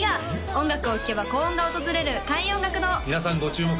音楽を聴けば幸運が訪れる開運音楽堂皆さんご注目